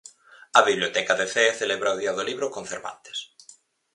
A biblioteca de Cee celebra o Día do Libro con Cervantes.